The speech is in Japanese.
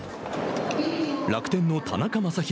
楽天の田中将大。